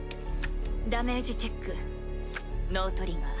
ダメージチェックノートリガー。